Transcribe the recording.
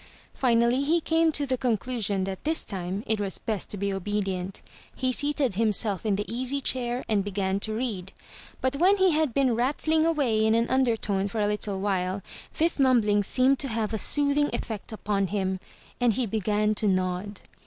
Finally, he came to the conclusion that this time it was best to be obedient. He seated himself in the easy chair, and began to read. But when he had been rattling away in an undertone for a little while, this mumbling seemed to have a soothing effect upon him — and he began to nod.